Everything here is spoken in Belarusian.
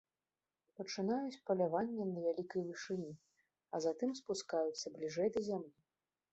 Пачынаюць паляванне на вялікай вышыні, а затым спускаюцца бліжэй да зямлі.